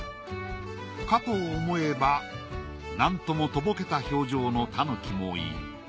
かと思えばなんともとぼけた表情の狸もいる。